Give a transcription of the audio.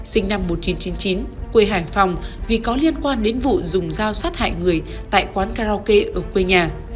sinh năm một nghìn chín trăm chín mươi chín quê hải phòng vì có liên quan đến vụ dùng dao sát hại người tại quán karaoke ở quê nhà